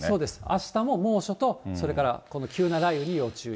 あしたも猛暑と、それから急な雷雨に要注意。